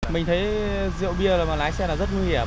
mình thấy rượu bia rồi mà lái xe là rất nguy hiểm